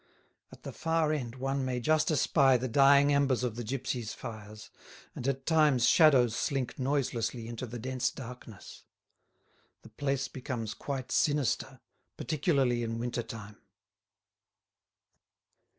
At the far end one may just espy the dying embers of the gipsies' fires, and at times shadows slink noiselessly into the dense darkness. The place becomes quite sinister, particularly in winter time.